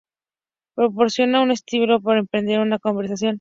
Proporcionan un estímulo para emprender una conversación.